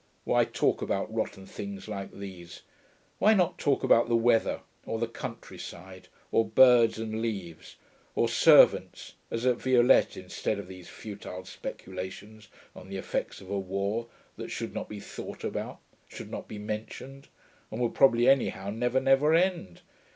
Why talk about rotten things like these? Why not talk about the weather, or the countryside, or birds and leaves, or servants, as at Violette, instead of these futile speculations on the effects of a war that should not be thought about, should not be mentioned, and would probably anyhow never never end?